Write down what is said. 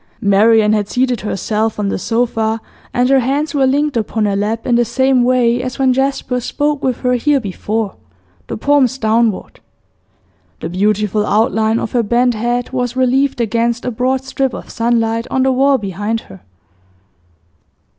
Marian had seated herself on the sofa, and her hands were linked upon her lap in the same way as when Jasper spoke with her here before, the palms downward. The beautiful outline of her bent head was relieved against a broad strip of sunlight on the wall behind her.